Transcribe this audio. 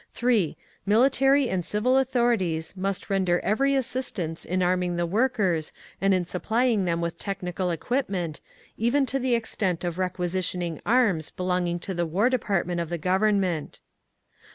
3. Military and civil authorities must render every assistance in arming the workers and in supplying them with technical equipment, even to the extent of requisitioning arms belonging to the War Department of the Government.